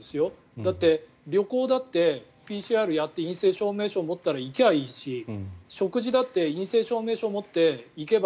だって、旅行だってＰＣＲやって陰性証明書を持って行けばいいし食事だって陰性証明書を持って行けば